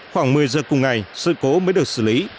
khoảng một mươi giờ cùng ngày sự cố mới được xử lý